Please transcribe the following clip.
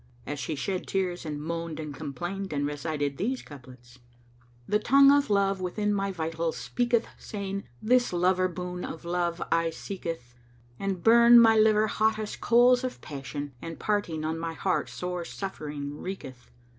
And she shed tears and moaned and complained and recited these couplets, "The tongue of Love within my vitals speaketh * Saying, 'This lover boon of Love aye seeketh!' And burn my liver hottest coals of passion * And parting on my heart sore suffering wreaketh.